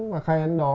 và khai ấn đó